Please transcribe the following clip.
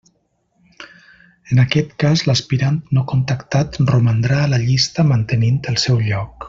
En aquest cas l'aspirant no contactat romandrà a la llista mantenint el seu lloc.